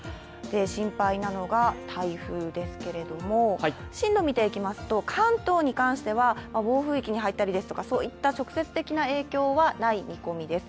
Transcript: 心配なのが、台風ですけれども進路を見ていきますと、関東に関しては暴風域に入ったりといった直接的な影響はない見込みです。